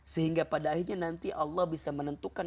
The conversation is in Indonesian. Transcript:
sehingga pada akhirnya nanti allah bisa menentukan